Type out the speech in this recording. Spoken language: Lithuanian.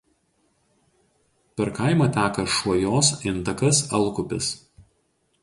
Per kaimą teka Šuojos intakas Alkupis.